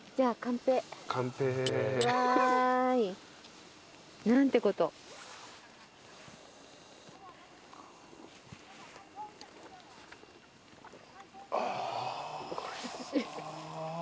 ああ。